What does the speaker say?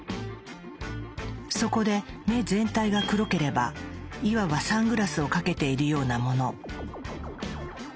そこで目全体が黒ければいわばサングラスをかけているようなもの。